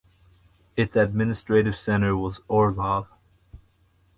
Its administrative centre was Orlov.